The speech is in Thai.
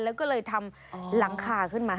แล้วก็เลยทำหลังคาขึ้นมา